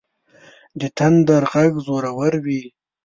د تندر غږ زورور وي.